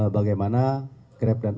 bagaimana grab dan